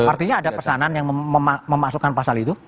artinya ada pesanan yang memasukkan pasal itu